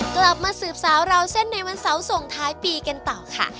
กลับมาสืบสาวราวเส้นในวันเสาร์ส่งท้ายปีกันต่อค่ะ